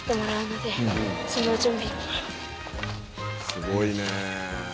「すごいね」